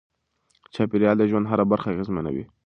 چاپیریال د ژوند هره برخه اغېزمنوي.